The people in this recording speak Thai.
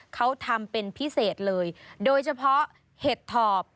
เขาทำเป็นพิเศษเลยโดยเฉพาะเห็ดถอบ